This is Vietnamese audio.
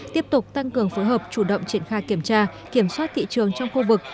tiếp tục tăng cường phối hợp chủ động triển khai kiểm tra kiểm soát thị trường trong khu vực